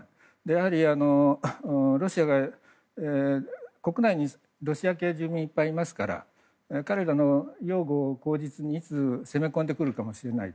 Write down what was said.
やはり国内にロシア系住民がいっぱいいますから彼らの養護を口実に、いつか攻め込んでくるかもしれない。